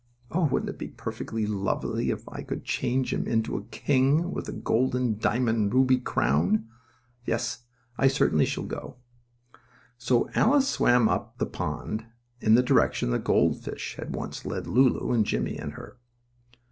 Oh, wouldn't it be perfectly lovely if I could change him into a king with a golden diamond ruby crown. Yes, I certainly shall go." So Alice swam off up the pond, in the direction the gold fish had once led Lulu and Jimmie and her.